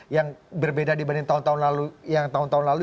yang berbeda dibanding tahun tahun lalu